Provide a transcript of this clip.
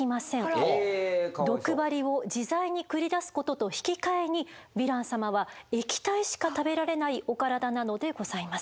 毒針を自在に繰り出すことと引き換えにヴィラン様は液体しか食べられないお体なのでございます。